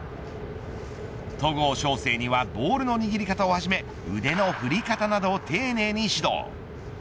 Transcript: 戸郷翔征にはボールの握り方をはじめ腕の振り方など丁寧に指導。